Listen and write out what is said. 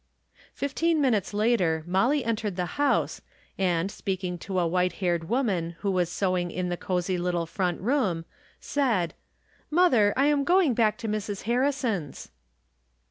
Fifteen minutes later Molly entered the house, and, speaking to a white haired woman who was sewing in the cosy little front room, said :" Mother, I am going back to Mrs. Harrison's."